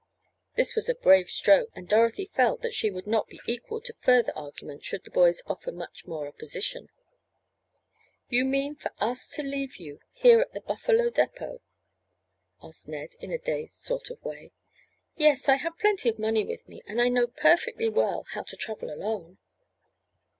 This was a brave stroke, and Dorothy felt that she would not be equal to further argument should the boys offer much more opposition. "You mean for us to leave you here at the Buffalo depot?" asked Ned in a dazed sort of way. "Yes, I have plenty of money with me, and I know perfectly well how to travel alone."